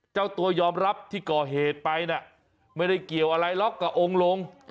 เจ้าตัวยอมรับที่ก่อเหตุไปน่ะไม่ได้เกี่ยวอะไรหรอกกับองค์ลง